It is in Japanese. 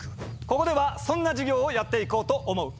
ここではそんな授業をやっていこうと思う。